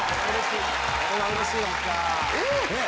これはうれしい！